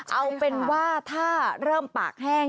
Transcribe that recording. เอาเป็นว่าถ้าเริ่มปากแห้ง